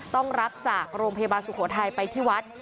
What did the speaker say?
ต้องรับจากโรงพยาบาลสุโขทัยไปที่วัด